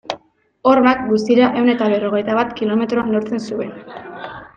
Hormak, guztira ehun eta berrogei bat kilometro neurtzen zuen.